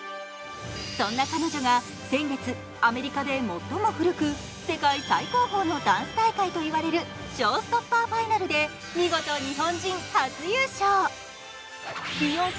そんな彼女が先月アメリカで最も古く、世界最高峰のダンス大会と言われるＳｈｏｗｓｔｏｐｐｅｒＦＩＮＡＬで見事、日本人初優勝。